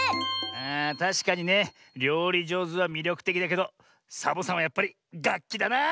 あたしかにねりょうりじょうずはみりょくてきだけどサボさんはやっぱりがっきだな！